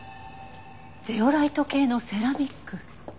ゼオライト系のセラミック。